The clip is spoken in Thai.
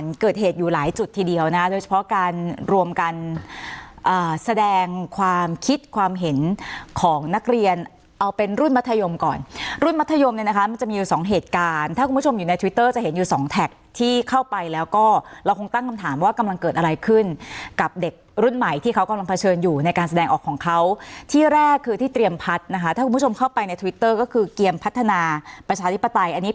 รุ่นมัธยมเนี่ยนะคะมันจะมีอยู่สองเหตุการณ์ถ้าคุณผู้ชมอยู่ในทวิตเตอร์จะเห็นอยู่สองแท็กที่เข้าไปแล้วก็เราคงตั้งคำถามว่ากำลังเกิดอะไรขึ้นกับเด็กรุ่นใหม่ที่เขากำลังเผชิญอยู่ในการแสดงออกของเขาที่แรกคือที่เตรียมพัดนะคะถ้าคุณผู้ชมเข้าไปในทวิตเตอร์ก็คือเกี่ยมพัฒนาประชาธิปไตยอันนี้